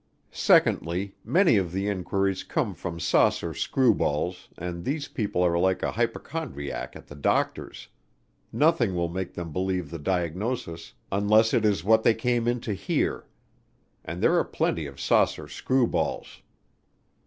Secondly, many of the inquiries come from saucer screwballs and these people are like a hypochondriac at the doctor's; nothing will make them believe the diagnosis unless it is what they came in to hear. And there are plenty of saucer screwballs.